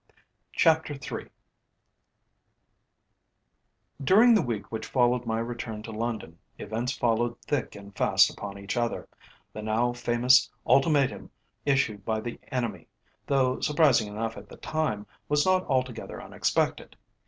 '" CHAPTER III During the week which followed my return to London, events followed thick and fast upon each other. The now famous Ultimatum issued by the enemy, though surprising enough at the time, was not altogether unexpected.